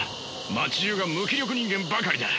街じゅうが無気力人間ばかりだ。